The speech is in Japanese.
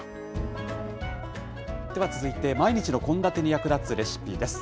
では続いて、毎日の献立に役立つレシピです。